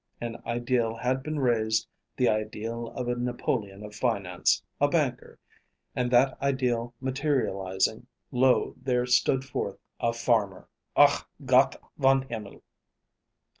An ideal had been raised, the ideal of a Napoleon of finance, a banker; and that ideal materializing, lo there stood forth a farmer! _Ach Gott von Himmel!